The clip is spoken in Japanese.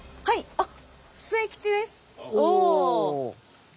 あっ。